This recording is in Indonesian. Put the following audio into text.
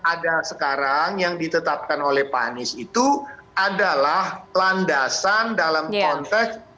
ada sekarang yang ditetapkan oleh pak anies itu adalah landasan dalam konteks